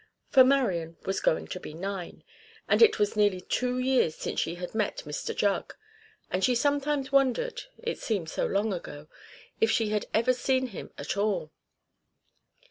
For Marian was going to be nine, and it was nearly two years since she had met Mr Jugg; and she sometimes wondered it seemed so long ago if she had ever seen him at all.